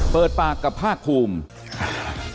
ปากกับภาคภูมิ